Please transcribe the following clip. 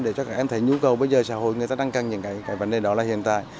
để cho các em thấy nhu cầu bây giờ xã hội người ta đang cần những cái vấn đề đó là hiện tại